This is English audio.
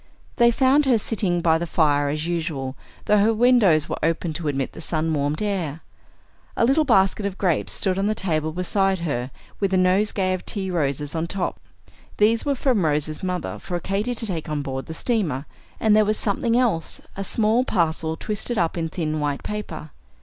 They found her sitting by the fire as usual, though her windows were open to admit the sun warmed air. A little basket of grapes stood on the table beside her, with a nosegay of tea roses on top. These were from Rose's mother, for Katy to take on board the steamer; and there was something else, a small parcel twisted up in thin white paper.